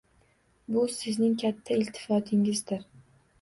Bu sizning katta iltifotingizdir.